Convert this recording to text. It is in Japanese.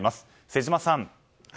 瀬島さん。